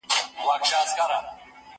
دا لیک له هغه مهم دی!؟